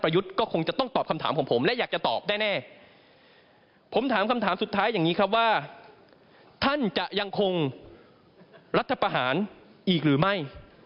ยังคงรัฐภาษณ์อีกหรือไม่